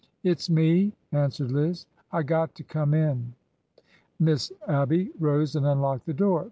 It 's me," answered Liz. " I got to come in." Miss Abby rose and unlocked the door.